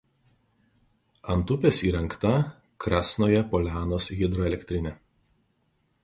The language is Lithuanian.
Ant upės įrengta Krasnoje Polianos hidroelektrinė.